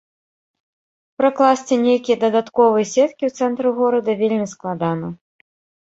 Пракласці нейкія дадатковыя сеткі ў цэнтры горада вельмі складана.